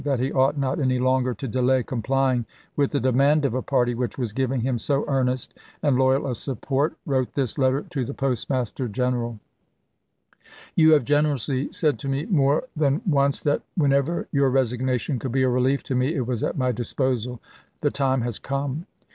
that he ought not any longer to delay complying with the demand of a party which was giving him so earnest and loyal a support, wrote this let ter to the Postmaster General : You have generously said to me more than once that whenever your resignation could be a relief to me it was at my disposal. The time has come.